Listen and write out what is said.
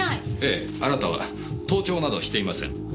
ええあなたは盗聴などはしていません。